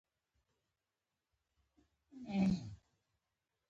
باچا ورته وویل ته او ستا نازک بدن.